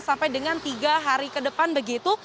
sampai dengan tiga hari ke depan begitu